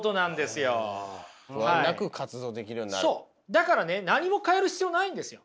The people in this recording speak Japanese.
だからね何も変える必要ないんですよ。